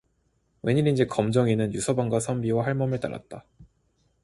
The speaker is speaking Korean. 웬일인지 검정이는 유서방과 선비와 할멈을 따랐다.